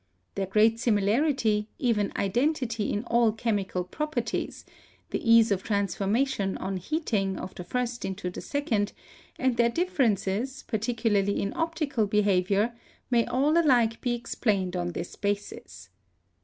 Their great similarity, even iden tity in all chemical properties, the ease of transformation, on heating, of the first into the second, and their differ ences, particularly in optical behavior, may all alike be explained on this basis.